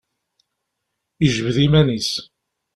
Yejbed iman-is.